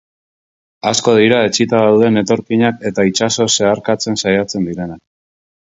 Asko dira etsita dauden etorkinak eta itsasoz zeharkatzen saiatzen direnak.